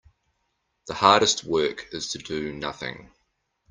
The hardest work is to do nothing.